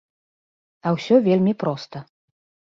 А ўсё вельмі проста.